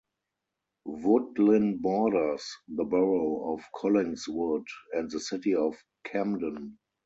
Woodlynne borders the Borough of Collingswood and the City of Camden.